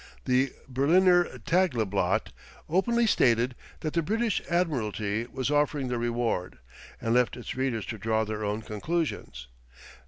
The Berliner Tageblatt openly stated that the British Admiralty was offering the reward, and left its readers to draw their own conclusions.